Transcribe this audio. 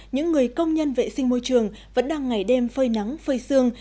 những người công nhân vệ sinh môi trường vẫn đang ngày đêm phơi nắng phơi xương